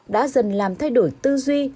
đã dần làm thay đổi tư duy